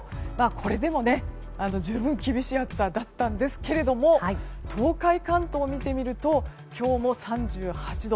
これでも、十分厳しい暑さだったんですけども東海、関東を見てみると今日も３８度。